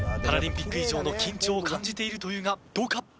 パラリンピック以上の緊張を感じているというがどうか？